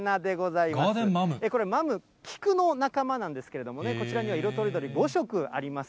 これ、マム、菊の仲間なんですけれどもね、こちらには色とりどり、５色あります。